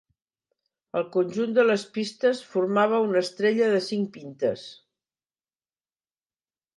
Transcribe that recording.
El conjunt de les pistes formava una estrella de cinc pintes.